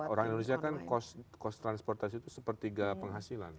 orang indonesia kan kos transportasi itu sepertiga penghasilan